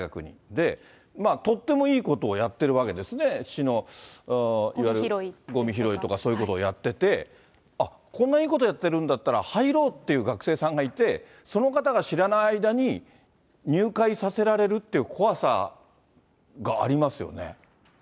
で、とってもいいことをやってるわけですね、市のいわゆる、ごみ拾いとか、そういうことをやってて、あっ、こんないいことをやってるんだったら入ろうっていう学生さんがいて、その方が知らない間に入会させられるっていう怖さがありますよね。